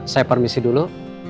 saya permisi dulu